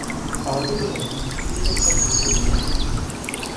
Ale dobře, budík zní nepravděpodobně.